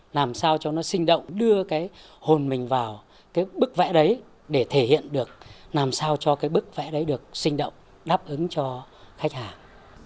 làm sao cho nó sinh động đưa cái hồn mình vào cái bức vẽ đấy để thể hiện được làm sao cho cái bức vẽ đấy được sinh động đáp ứng cho khách hàng